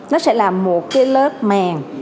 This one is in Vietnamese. nó sẽ làm một cái lớp màng